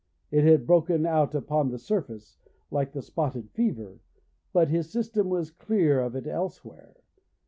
It had broken out upon the surface, like the spotted fever, but his system was clear of it elsewhere.